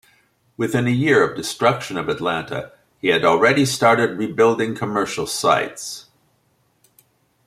Within a year of destruction of Atlanta, he had already started rebuilding commercial sites.